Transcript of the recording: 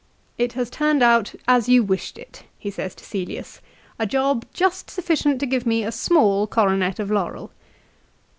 "It has turned out as you wished it," he says to Cselius, " a job just sufficient to give me a small coronet of laurel."